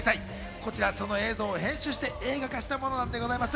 こちら、その映像を編集して映画化したものです。